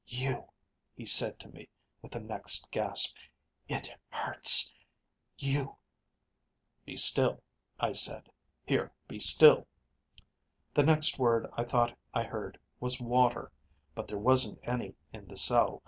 'You ...' he said to me with the next gasp. 'It hurts ... You ...' "'Be still,' I said. 'Here, be still.' "The next word I thought I heard was water, but there wasn't any in the cell.